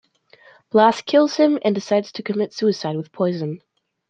Blas kills him and decides to commit suicide with poison.